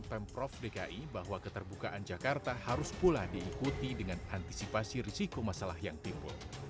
pemprov dki bahwa keterbukaan jakarta harus pula diikuti dengan antisipasi risiko masalah yang timbul